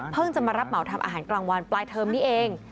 จะมารับเหมาทำอาหารกลางวันปลายเทอมนี้เอง